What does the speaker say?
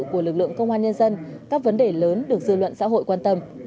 của lực lượng công an nhân dân các vấn đề lớn được dư luận xã hội quan tâm